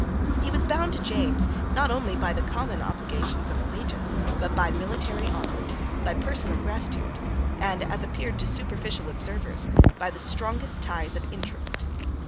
He was bound to James, not only by the common obligations of allegiance, but by military honour, by personal gratitude, and, as appeared to superficial observers, by the strongest ties of interest.